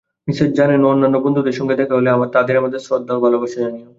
Mrs Johnson ও অন্যান্য বন্ধুদের সঙ্গে দেখা হলে তাদের আমার শ্রদ্ধা ও ভালবাসা জানিও।